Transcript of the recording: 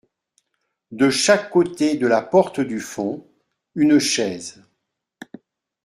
De chaque côté de la porte du fond, une chaise.